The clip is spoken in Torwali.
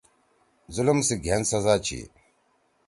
ظلم سی گھین سزا چھی